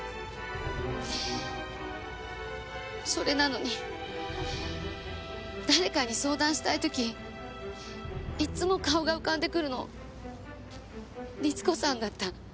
それなのに誰かに相談したい時いつも顔が浮かんでくるの律子さんだった。